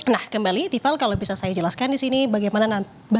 nah kembali ival kalau bisa saya jelaskan di sini bagaimana nanti